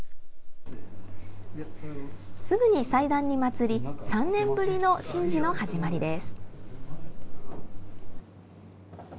すぐに祭壇に祭り３年ぶりの神事の始まりです。